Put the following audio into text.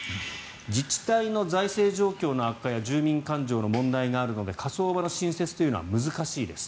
自治体の財政状況の悪化や住民感情の問題があるため火葬場の新設というのは難しいです